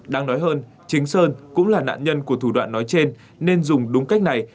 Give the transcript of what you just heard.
đáng nói hơn chính sơn cũng là nạn nhân của thủ đoạn nói trên nên dùng đúng cách này